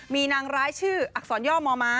มีนางร้ายชื่ออักษรย่อม